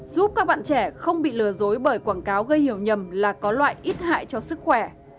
giúp các bạn trẻ không bị lừa dối bởi quảng cáo gây hiểu nhầm là có loại ít hại cho sức khỏe